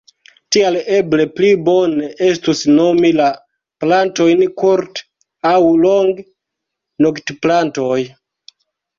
Tial eble pli bone estus nomi la plantojn kurt- aŭ long-noktplantoj.